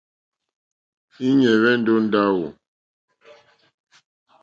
Íɲá hwɛ́ndɛ̀ ó ndáwò.